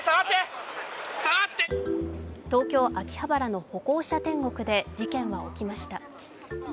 東京・秋葉原の歩行者天国で事件は起きました。